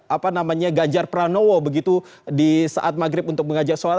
apa namanya ganjar pranowo begitu di saat maghrib untuk mengajak sholat